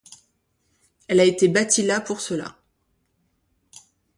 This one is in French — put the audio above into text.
Elle a été bâtie là pour cela.